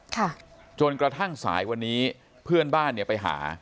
ค่ะจนกระทั่งสายวันนี้เพื่อนบ้านเนี่ยไปหา